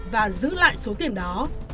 và giữ lại số tiền đó